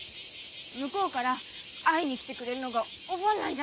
向こうから会いに来てくれるのがお盆なんじゃないの？